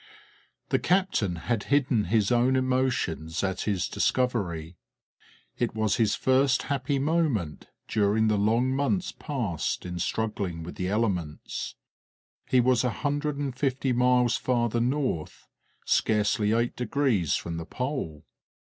The captain had hidden his own emotions at his discovery. It was his first happy moment during the long months passed in struggling with the elements. He was a hundred and fifty miles farther north, scarcely eight degrees from the Pole!